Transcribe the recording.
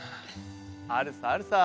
あるさあるさ。